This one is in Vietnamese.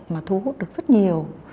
mà thu hút được rất nhiều